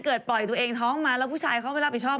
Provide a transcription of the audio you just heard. ปล่อยตัวเองท้องมาแล้วผู้ชายเขาไม่รับผิดชอบ